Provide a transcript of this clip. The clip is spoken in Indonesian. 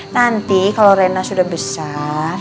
nanti kalau rena sudah besar